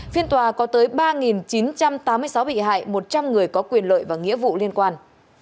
phiên tòa có tới ba chín trăm tám mươi sáu bị hại một trăm linh người có quyền lợi và nghĩa vụ liên quan